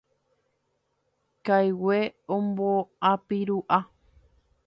Kaigue omboapiru'a.